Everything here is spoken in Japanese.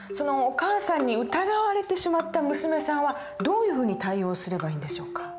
お母さんに疑われてしまった娘さんはどういうふうに対応すればいいんでしょうか？